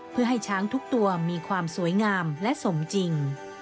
เพื่อให้ช้างทุกตัวมีความสวยงามและสมจริง